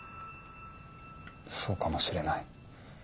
そうかもしれない。